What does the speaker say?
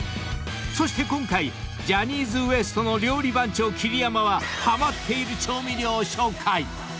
［そして今回ジャニーズＷＥＳＴの料理番長桐山はハマっている調味料を紹介］